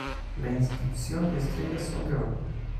La Inscripción y estrellas son de oro.